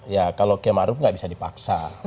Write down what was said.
ya kalau keima aruf nggak bisa dipaksa